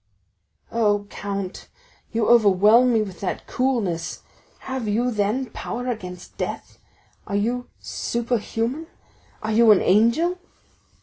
"Oh, count, you overwhelm me with that coolness. Have you, then, power against death? Are you superhuman? Are you an angel?"